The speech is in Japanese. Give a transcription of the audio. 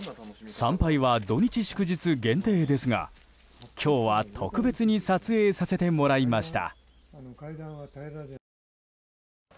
参拝は土日祝日限定ですが今日は特別に撮影させてもらいました。